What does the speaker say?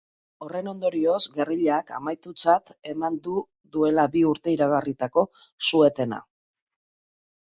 Horren ondorioz, gerrillak amaitutzat eman du duela bi urte iragarritako su-etena.